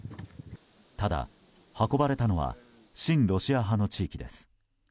ただ、運ばれたのは親ロシア派の地域です。